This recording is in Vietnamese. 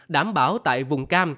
đảm bảo tại vùng cam